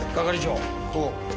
おう。